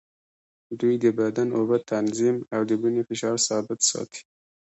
دوی د بدن اوبه تنظیم او د وینې فشار ثابت ساتي.